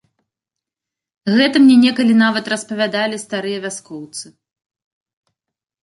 Гэта мне некалі нават распавядалі старыя вяскоўцы.